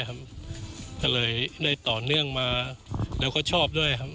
ก็เลยได้ต่อเนื่องมาแล้วก็ชอบด้วยครับ